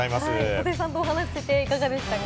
布袋さんと話してていかがでしたか？